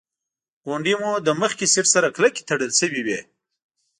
ګونډې مو له مخکې سیټ سره کلکې تړل شوې وې.